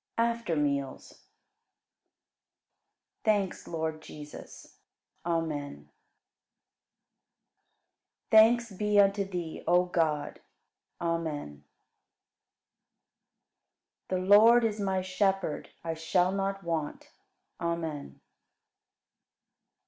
After Meals. 48. Thanks, Lord Jesus! Amen. 49. Thanks be unto Thee, O God! Amen. 50. The Lord is my Shepherd, I shall not want. Amen.